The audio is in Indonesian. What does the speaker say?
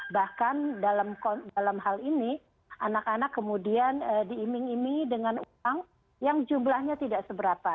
bahkan dalam hal ini anak anak kemudian diiming iming dengan utang yang jumlahnya tidak seberapa